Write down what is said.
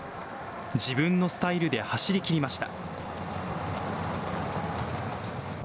自分のスタイルで走り切りました。